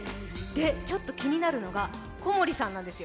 ちょっと気になるのが小森さんです。